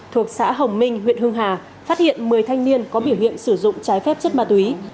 thuộc xã hồng minh huyện hưng hà phát hiện một mươi thanh niên có biểu hiện sử dụng trái phép chất ma túy